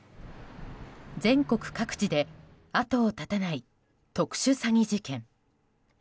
全国各地で後を絶たない特殊詐欺事件。